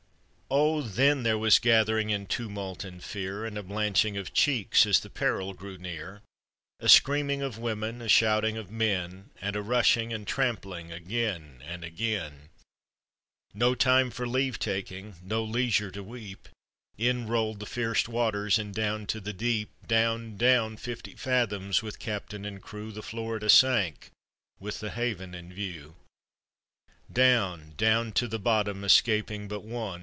Oh! then there was gathering in tumult and fear, And a blanching of cheeks, as the peril grew near; A screaming of women— a shouting of men, And a rushing and trampling, again and again' No time for leave taking—no leisure to weep! In roll'd the Ilerce waters, and down to the deep, I town, down fifty fathoms, with captain and crew. The Florida sank, with the haven in view— I>own, down to the bottom, escaping but one.